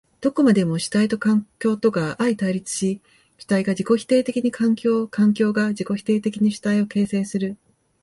どこまでも主体と環境とが相対立し、主体が自己否定的に環境を、環境が自己否定的に主体を形成する。